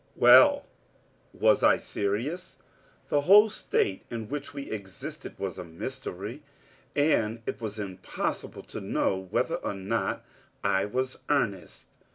Well, was I serious? The whole state in which we existed was a mystery and it was impossible to know whether or not I was in earnest.